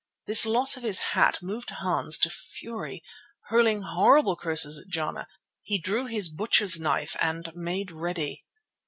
This loss of his hat moved Hans to fury. Hurling horrible curses at Jana he drew his butcher's knife and made ready.